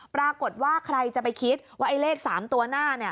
ปรากฏว่าใครจะไปคิดว่าเลข๓ตัวหน้า